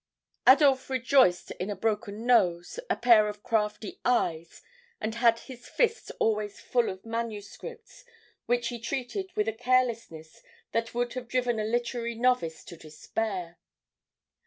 Adolphe rejoiced in a broken nose, a pair of crafty eyes, and had his fists always full of manuscripts which he treated with a carelessness that would have driven a literary novice to despair.